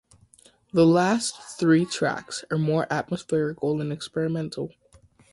The last three tracks are more atmospheric and experimental.